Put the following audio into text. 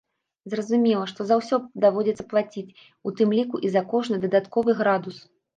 Зразумела, што за ўсё даводзіцца плаціць, у тым ліку і за кожны дадатковы градус.